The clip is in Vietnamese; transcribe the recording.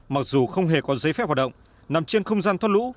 mặc dù không hề có giấy phép hoạt động nằm trên không gian thoát lũ